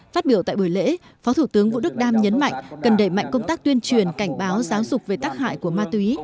phát biểu tại buổi lễ phó thủ tướng vũ đức đam nhấn mạnh cần đẩy mạnh công tác tuyên truyền cảnh báo giáo dục về tác hại của ma túy